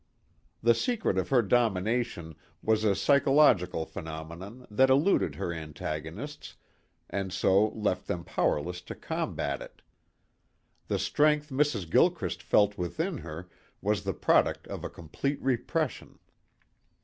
The secret of her domination was a psychological phenomenon that eluded her antagonists and so left them powerless to combat it. The strength Mrs. Gilchrist felt within her was the product of a complete repression.